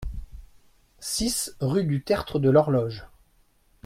six rue du Tertre de l'Horloge